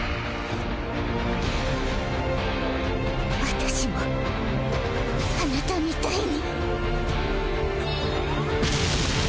私もあなたみたいに